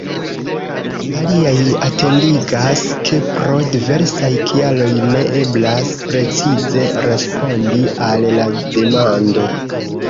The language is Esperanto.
Aliaj atentigas, ke pro diversaj kialoj ne eblas precize respondi al la demando.